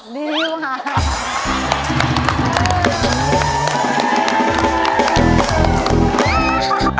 ดีว่ะ